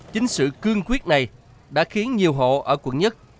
chính sự cương quyết này đã khiến nhiều hộ ở quận một